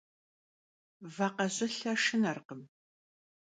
Vakhejılhe şşınerkhım.